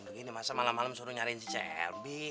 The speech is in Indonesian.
begini masa malam malam suruh nyariin si cel be